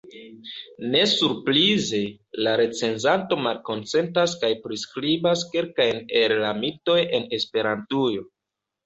Ne surprize, la recenzanto malkonsentas, kaj priskribas kelkajn el la mitoj en Esperantujo.